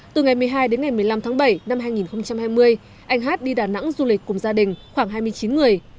từ ngày một mươi hai đến ngày một mươi năm tháng bảy năm hai nghìn hai mươi anh hát đi đà nẵng du lịch cùng gia đình khoảng hai mươi chín người